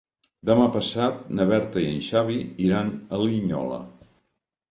Demà passat na Berta i en Xavi iran a Linyola.